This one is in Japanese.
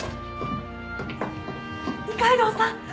二階堂さん！